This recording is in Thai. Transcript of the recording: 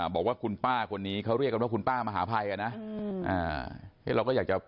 บอกว่าคุณป้าคนนี้เค้าเรียกว่าคุณป้ามหาภัย